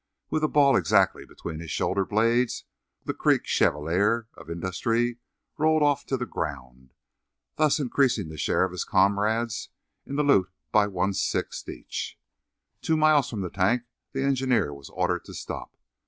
With a ball exactly between his shoulder blades the Creek chevalier of industry rolled off to the ground, thus increasing the share of his comrades in the loot by one sixth each. Two miles from the tank the engineer was ordered to stop.